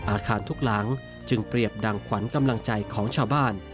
อาคารทุกหลังจึงเปรียบดังขวัญกำลังใจของชาวบ้าน